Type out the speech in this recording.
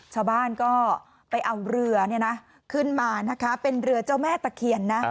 ชาวบ้านก็ไปเอาเรือขึ้นมานะคะเป็นเรือเจ้าแม่ตะเคียนนะ